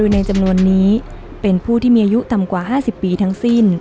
ในจำนวนนี้เป็นผู้ที่มีอายุต่ำกว่า๕๐ปีทั้งสิ้น